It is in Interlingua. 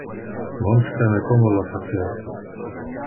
Monstra me como lo facer.